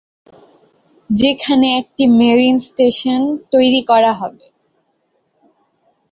যেখানে একটি marine station তৈরি করা হবে।